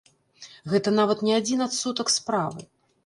Гэта нават не адзін адсотак справы!